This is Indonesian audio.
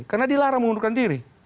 karena dilarang mengundurkan diri